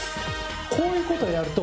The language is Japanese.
こういう事をやると。